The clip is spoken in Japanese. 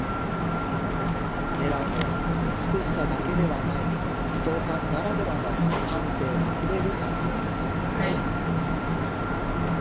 狙うのは、美しさだけではない、伊藤さんならではの感性あふれる作品です。